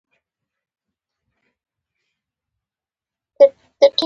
سترګې يې زما له سترګو لرې كړې.